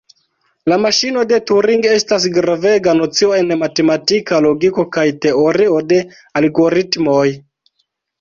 La maŝino de Turing estas gravega nocio en matematika logiko kaj teorio de algoritmoj.